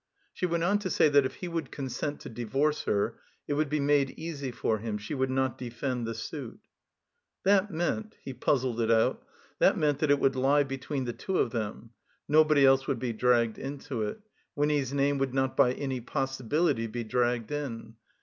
She went on to say that if he would consent to divorce her, it would be made easy for him, she would not defend the suit. That meant — ^he puzzled it out — ^that meant that it would lie between the two of them. Nobody else would be dragged into it. Winny's name would not by any possibility be dragged in.